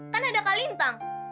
kan ada kak lintang